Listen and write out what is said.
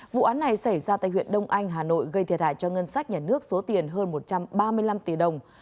vụ án này xảy ra tại huyện đông anh hà nội gây thiệt hại cho ngân sách nhà nước số tiền hơn một trăm ba mươi năm tỷ đồng